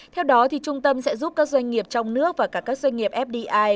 theo đó thì trung tâm sẽ giúp các doanh nghiệp trong nước và các doanh nghiệp fdi